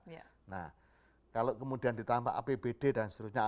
nah kalau kemudian ditambah apbd dan seterusnya